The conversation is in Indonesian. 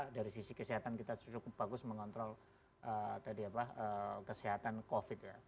dari sisi kesehatan kita cukup bagus mengontrol kesehatan covid ya